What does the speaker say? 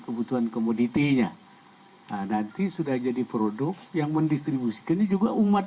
kebutuhan komoditinya nanti sudah jadi produk yang mendistribusikannya juga umat